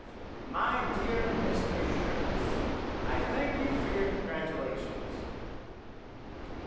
My dear Mr. Schurz: I thank you for your congratulations.